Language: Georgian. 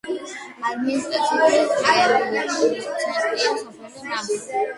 ადმინისტრაციული ცენტრია სოფელი მასი.